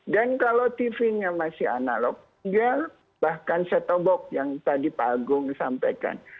dan kalau tv nya masih analog bahkan set up box yang tadi pak agung sampaikan